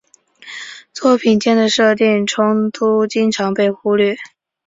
作品间的设定冲突经常被忽略。